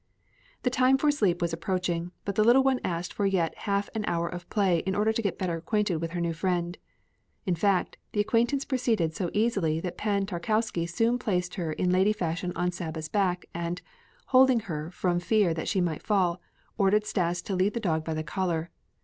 The time for sleep was approaching, but the little one asked for yet half an hour of play in order to get better acquainted with her new friend. In fact, the acquaintance proceeded so easily that Pan Tarkowski soon placed her in lady fashion on Saba's back and, holding her from fear that she might fall, ordered Stas to lead the dog by the collar.